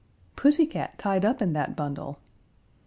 "Pussy cat tied up in that bundle."